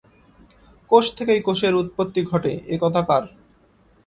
কোষ থেকেই কোষের উৎপত্তি ঘটে -এ কথা কার?